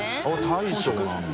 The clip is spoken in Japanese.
△大将なんだ。